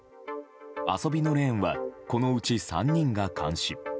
遊びのレーンはこのうち３人が監視。